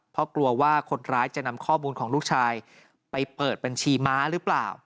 เพราะกลัวว่าคนร้ายจะนำข้อมูลของลูกชายไปเปิดบัญชีม้าหรือเปล่า